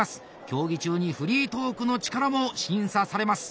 競技中にフリートークの力も審査されます。